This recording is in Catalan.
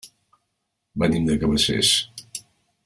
Venim de Cabacés.